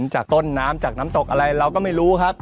จากต้นน้ำจากน้ำตกอะไรเราก็ไม่รู้ครับ